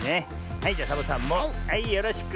はいじゃサボさんもはいよろしく。